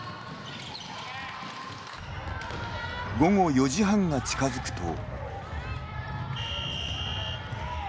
午後４時半が近づくと。